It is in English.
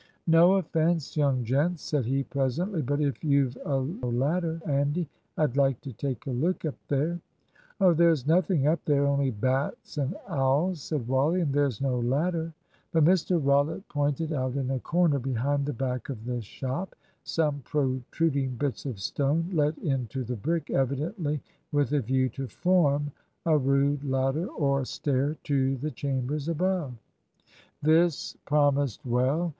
"No offence, young gents," said he presently; "but if you've a ladder 'andy, I'd like to take a look up there." "Oh, there's nothing up there only bats and owls," said Wally, "and there's no ladder." But Mr Rollitt pointed out in a corner, behind the back of the shop, some protruding bits of stone let into the brick, evidently with a view to form a rude ladder or stair to the chambers above. This promised well.